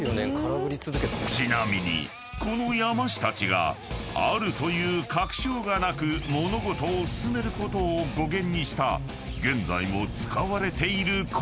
［ちなみにこの山師たちがあるという確証がなく物事を進めることを語源にした現在も使われている言葉とは？］